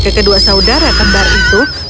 ke kedua saudara kembar itu